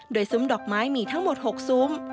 โดยซุ้มดอกไม้มีทั้งหมด๖ซุ้ม